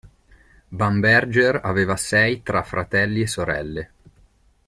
Bamberger aveva sei tra fratelli e sorelle.